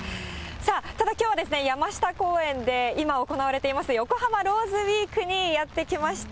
さあ、ただきょうは山下公園で今、行われています、横浜ローズウィークにやって来ました。